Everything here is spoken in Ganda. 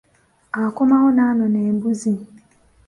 Akomawo n'anona embuzi.